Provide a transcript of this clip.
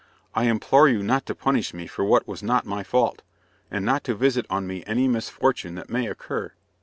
I implore you not to punish me for what was not my fault, and not to visit on me any misfortune that may occur."